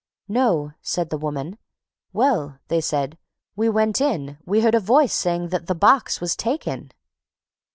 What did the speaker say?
'No,' said the woman. 'Well,' said they, 'when we went in, we heard a voice saying THAT THE BOX WAS TAKEN!'"